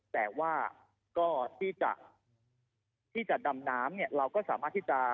แต่ว่าก็ที่จะดำน้ำเนี่ยเราก็สามารถที่จะ